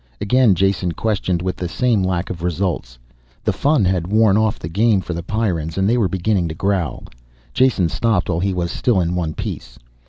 Again Jason questioned with the same lack of results. The fun had worn off the game for the Pyrrans and they were beginning to growl. Jason stopped while he was still in one piece.